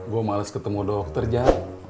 gue males ketemu dokter jak